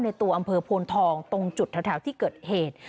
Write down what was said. ตัวอำเภอโพนทองตรงจุดแถวที่เกิดเหตุ